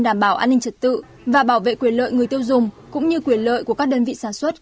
đảm bảo an ninh trật tự và bảo vệ quyền lợi người tiêu dùng cũng như quyền lợi của các đơn vị sản xuất